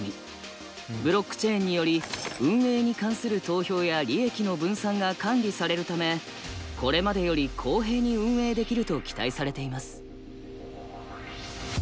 ブロックチェーンにより運営に関する投票や利益の分散が管理されるためこれまでより公平に運営できると期待されています。